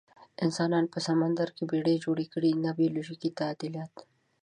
انسانانو په سمندر کې بیړۍ جوړې کړې، نه بیولوژیکي تعدیلات.